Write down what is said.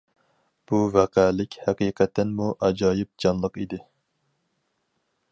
بۇ ۋەقەلىك ھەقىقەتەنمۇ ئاجايىپ جانلىق ئىدى.